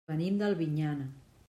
Venim d'Albinyana.